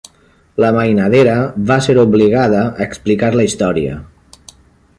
La mainadera va ser obligada a explicar la història.